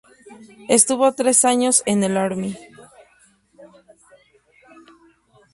Estuvo tres años en el Army.